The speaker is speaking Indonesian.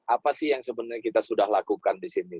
apa sih yang sebenarnya kita sudah lakukan di sini